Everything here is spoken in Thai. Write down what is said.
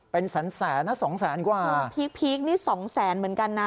เป็นแสนแสนนะสองแสนกว่าพีคพีคนี่สองแสนเหมือนกันนะ